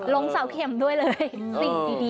ลงเสาเข็มด้วยเลย